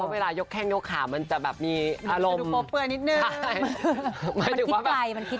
เวลายกแข่งยกขามันจะแบบมีอารมณ์